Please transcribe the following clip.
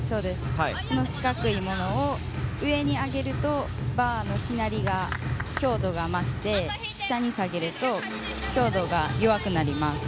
その四角いものを上に上げるとバーのしなり、強度が増して下に下げると強度が弱くなります。